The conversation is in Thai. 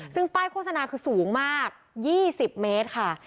ซึ่งป้ายโฆษณาคือสูงมาก๒๐เมตรค่ะ